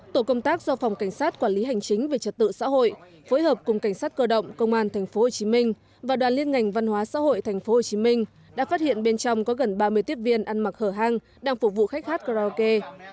tổ công tác do phòng cảnh sát quản lý hành chính về trật tự xã hội phối hợp cùng cảnh sát cơ động công an thành phố hồ chí minh và đoàn liên ngành văn hóa xã hội thành phố hồ chí minh đã phát hiện bên trong có gần ba mươi tiếp viên ăn mặc hở hang đang phục vụ khách hát karaoke